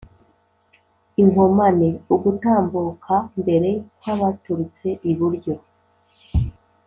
Inkomane: ugutambuka mbere kw'abaturutse iburyo